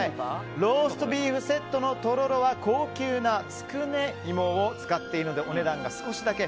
ローストビーフセットのとろろは高級なつくねイモを使っているのでお値段が、少しだけ。